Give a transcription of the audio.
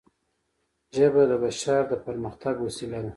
ژبه د بشر د پرمختګ وسیله ده